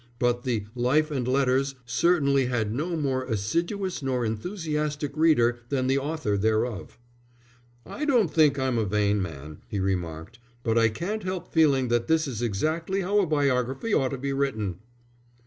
But the Life and Letters certainly had no more assiduous nor enthusiastic reader than the author thereof. "I don't think I'm a vain man," he remarked, "but I can't help feeling this is exactly how a biography ought to be written."